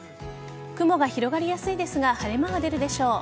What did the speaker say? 雲が広がりやすいですが晴れ間が出るでしょう。